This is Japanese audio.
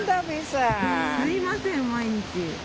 すいません毎日。